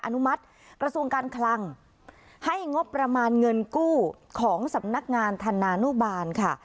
อนุมัติกระทรวงการคลังให้งบประมาณเงินกู้ของสำนักงานธนานุบาลค่ะ